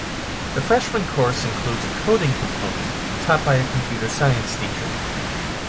The freshman course includes a coding component taught by a computer science teacher.